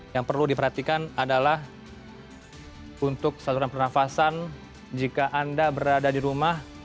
yang perlu diperhatikan adalah untuk saluran pernafasan jika anda berada di rumah